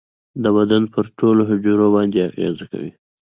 د بدن پر ټولو حجرو باندې اغیزه کوي.